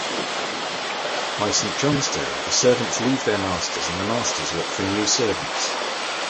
By Saint John’s day, the servants leave their masters and the masters look for new servants.